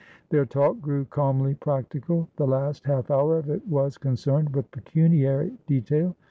Their talk grew calmly practical; the last half hour of it was concerned with pecuniary detail.